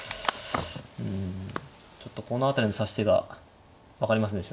うんちょっとこの辺りの指し手が分かりませんでしたね。